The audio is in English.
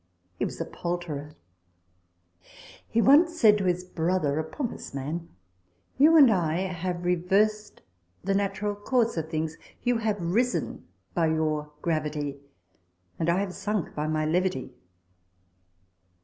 (He was a poulterer.) 86 RECOLLECTIONS OF THE He once said to his brother,* a pompous man, " You and I have reversed the natural course of things : you have risen by your gravity ; I have sunk by my levity."